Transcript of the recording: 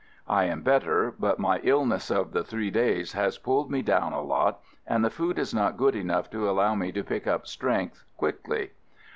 I am better, but my ill ness of the three days has pulled me down a lot and the food is not good enough to allow me to pick up strength quickly.